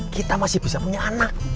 kita masih bisa punya anak